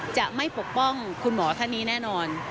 จะไม่ปกป้องคุณหมอท่านนี้แน่นอน